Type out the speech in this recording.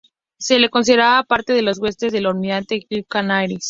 Se le consideraba parte de las huestes del Almirante Wilhelm Canaris.